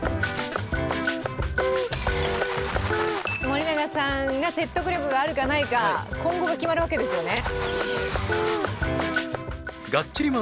森永さんが説得力があるかないか今後が決まるわけですよね